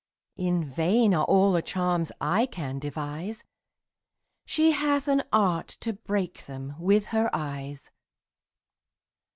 In vain are all the charms I can devise; She hath an art to break them with her eyes.